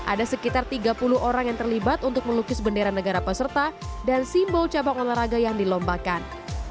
ada sekitar tiga puluh orang yang terlibat untuk melukis bendera negara peserta dan simbol cabang olahraga yang dilombakan